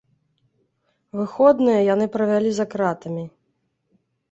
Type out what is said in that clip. Выходныя яны правялі за кратамі.